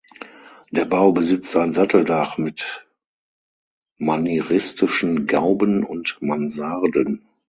Der Bau besitzt ein Satteldach mit manieristischen Gauben und Mansarden.